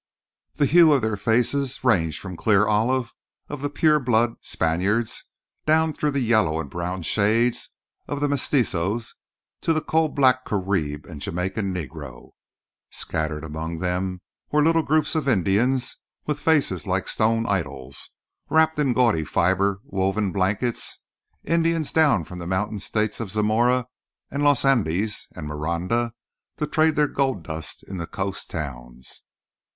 The hue of their faces ranged from the clear olive of the pure blood Spaniards down through the yellow and brown shades of the Mestizos to the coal black Carib and the Jamaica Negro. Scattered among them were little groups of Indians with faces like stone idols, wrapped in gaudy fibre woven blankets—Indians down from the mountain states of Zamora and Los Andes and Miranda to trade their gold dust in the coast towns.